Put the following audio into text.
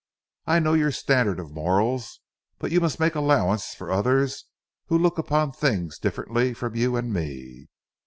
I know your standard of morals, but you must make allowance for others who look upon things differently from you and me.